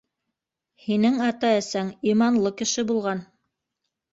Һинең ата-әсәң иманлы кеше булған.